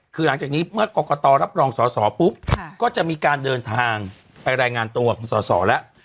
คือหลังจากนี้เมื่อกรกตรับรองสอสอปุ๊บก็จะมีการเดินทางไปรายงานตัวของสอสอแล้ว